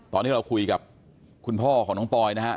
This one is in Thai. ตอนนี้เราคุยกับคุณพ่อของน้องปอยนะฮะ